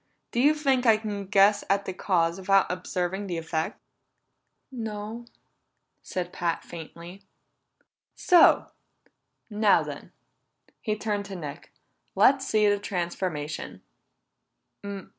Do you think I can guess at the cause without observing the effect?" "No," said Pat faintly. "So! Now then," he turned to Nick, "Let's see this transformation."